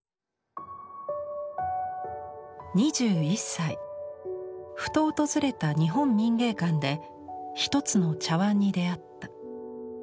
２１歳ふと訪れた日本民藝館で一つの茶碗に出会った。